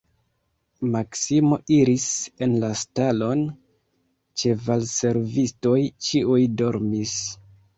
Maksimo iris en la stalon, ĉevalservistoj ĉiuj dormis.